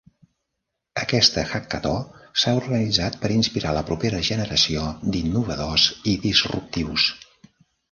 Aquesta hackató s'ha organitzat per inspirar la propera generació d'innovadors i disruptius.